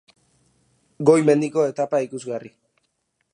Goi mendiko etapa ikusgarri,.